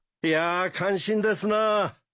いや感心ですな。